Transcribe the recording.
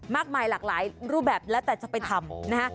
มากมายหลากหลายรูปแบบแล้วแต่จะไปทำนะฮะ